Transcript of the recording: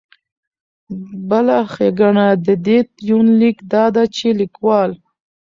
بله ښېګنه د دې يونليک دا ده چې ليکوال